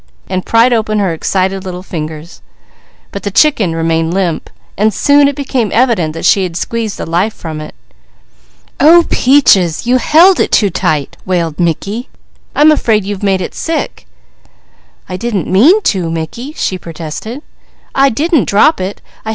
He pried open her excited little fingers; but the chicken remained limp. Soon it became evident that she had squeezed the life from it. "Oh Peaches, you held it too tight!" wailed Mickey. "I'm afraid you've made it sick!" "I didn't mean to Mickey!" she protested. Mrs.